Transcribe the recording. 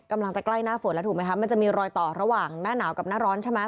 ใกล้หน้าฝนแล้วถูกไหมคะมันจะมีรอยต่อระหว่างหน้าหนาวกับหน้าร้อนใช่ไหม